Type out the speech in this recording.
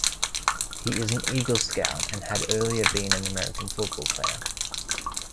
He is an Eagle Scout and had earlier been an American football player.